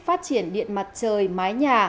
phát triển điện mặt trời mái nhà